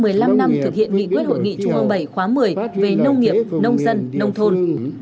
thực hiện nghị quyết hội nghị trung ương bảy khóa một mươi về nông nghiệp nông dân nông thôn